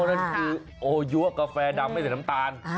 นั่นคือโอยัวกาแฟดำไม่ใส่น้ำตาล